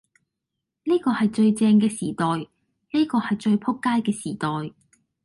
呢個係最正嘅時代，呢個係最仆街嘅時代，